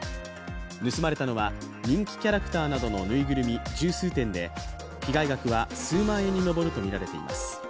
盗まれたのは人気キャラクターなどのぬいぐるみ十数点で被害額は数万円に上るとみられています。